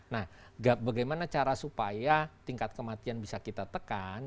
nah bagaimana cara supaya tingkat kematian bisa kita tekan